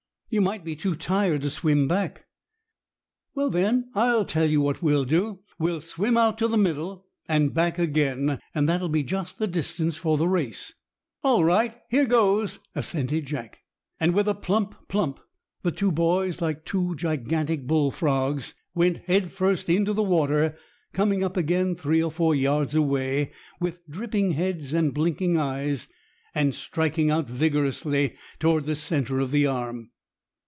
"You might be too tired to swim back." "Well, then, I'll tell you what we'll do. We'll swim out to the middle and back again, and that'll be just the distance for the race." "All right! Here goes!" assented Jack. And with a plump! plump! the two boys, like two gigantic bull frogs, went head first into the water, coming up again three or four yards away, with dripping heads and blinking eyes, and striking out vigorously toward the centre of the Arm.